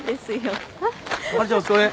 華ちゃんお疲れ。